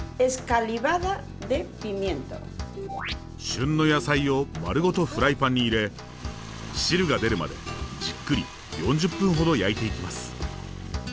旬の野菜を丸ごとフライパンに入れ汁が出るまでじっくり４０分ほど焼いていきます。